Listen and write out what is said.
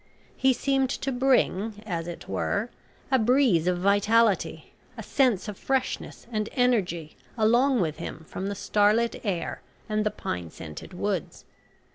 He seemed to bring as it were a breeze of vitality, a sense of freshness and energy along with him from the starlit air and the pine scented woods.